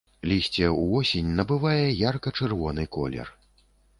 Лісце ўвосень набывае ярка-чырвоны колер.